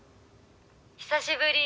久しぶり